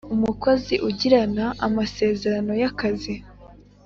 Umukozi ugirana amasezerano y akazi